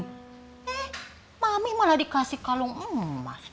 hei mami malah dikasih kalung emas